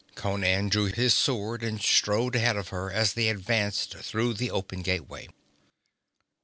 Conan drew his sword and strode ahead of her as they advanced through the open gateway.